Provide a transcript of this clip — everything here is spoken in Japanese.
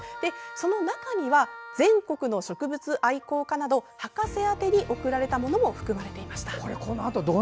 その中には全国の植物愛好家など博士宛てに贈られたものも含まれていました。